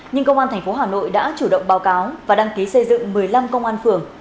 nhưng công an tp hà nội đã chủ động báo cáo và đăng ký xây dựng một mươi năm công an phường